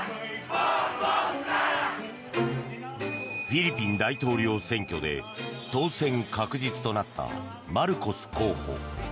フィリピン大統領選挙で当選確実となったマルコス候補。